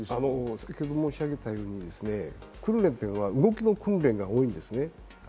先程申し上げたように訓練というのは動きの訓練が多いんですね。